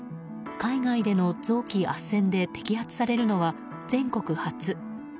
海外での臓器あっせんで摘発されるのは全国初。